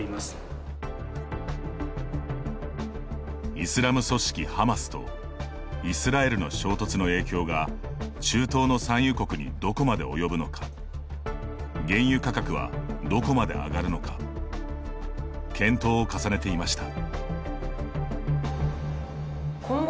イスラム組織ハマスとイスラエルの衝突の影響が中東の産油国にどこまで及ぶのか原油価格はどこまで上がるのか検討を重ねていました。